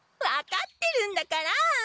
分かってるんだから！